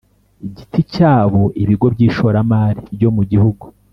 Giti cyabo ibigo by ishoramari byo mu gihugu